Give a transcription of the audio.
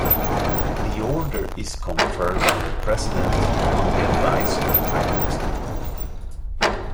The Order is conferred by the President on the advice of the Prime Minister.